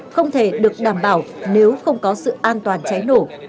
không thể được đảm bảo nếu không có sự an toàn cháy nổ